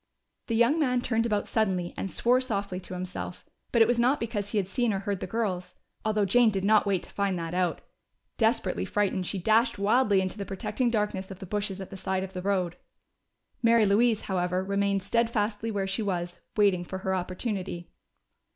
The young man turned about suddenly and swore softly to himself. But it was not because he had seen or heard the girls, although Jane did not wait to find that out. Desperately frightened, she dashed wildly into the protecting darkness of the bushes at the side of the road. Mary Louise, however, remained steadfastly where she was, waiting for her opportunity.